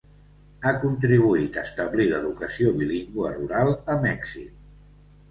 Ha contribuït a establir l'educació bilingüe rural a Mèxic.